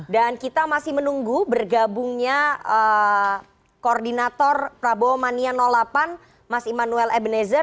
dan kita masih menunggu bergabungnya koordinator prabowo mania delapan mas immanuel ebenezer